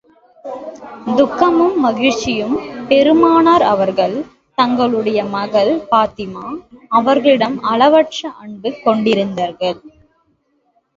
துக்கமும் மகிழ்ச்சியும் பெருமானார் அவர்கள், தங்களுடைய மகள் பாத்திமா அவர்களிடம் அளவற்ற அன்பு கொண்டிருந்தர்கள்.